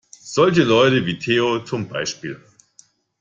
Solche Leute wie Theo, zum Beispiel.